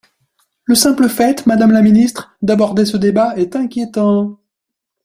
Le simple fait, madame la ministre, d’aborder ce débat est inquiétant.